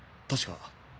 確か。